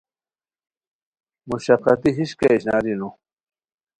مشقّتی ہِش کیہ اشناری نو